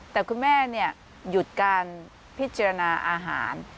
แต่คุณแม่หยุดการพิจารณาอาหาร